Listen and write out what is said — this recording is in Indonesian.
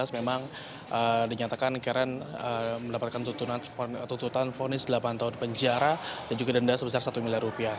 memang dinyatakan karen mendapatkan tuntutan fonis delapan tahun penjara dan juga denda sebesar satu miliar rupiah